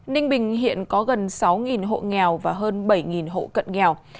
ninh bình hiện có gần sáu hộ nghèo và hơn bảy hộ cận nghèo